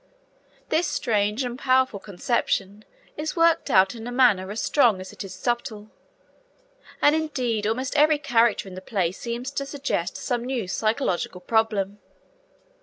This strange and powerful conception is worked out in a manner as strong as it is subtle; and, indeed, almost every character in the play seems to suggest some new psychological problem.